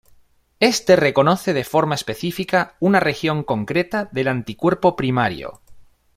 Éste reconoce de forma específica una región concreta del anticuerpo primario.